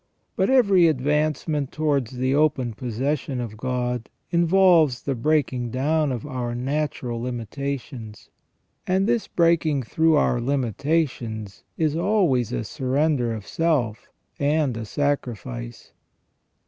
But every advancement towards the open possession of God involves the breaking down of our natural limitations, and this breaking through our limitations is always a surrender of self and a sacrifice.